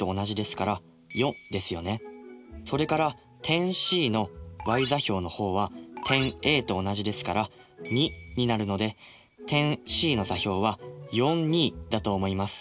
それから点Ｃのｙ座標の方は点Ａと同じですから２になるので点Ｃの座標はだと思います。